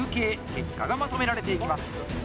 結果がまとめられていきます。